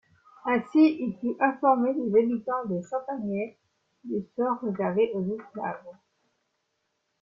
Ainsi il put informer les habitants de Champagney du sort réservé aux esclaves.